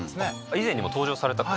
以前にも登場された方？